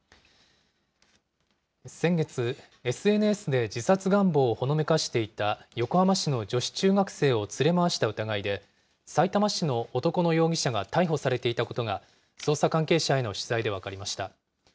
先月、ＳＮＳで自殺願望をほのめかしていた横浜市の女子中学生を連れ回した疑いで、さいたま市の男の容疑者が逮捕されていたことが、捜査関係者への取材で分かりました。